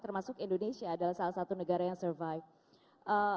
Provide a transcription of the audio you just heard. termasuk indonesia adalah salah satu negara yang survive